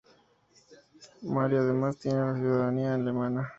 Mario además tiene la ciudadanía alemana.